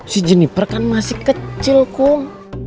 si jeniper kan masih kecil kok